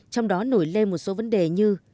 trong đó nổi lên một số vấn đề như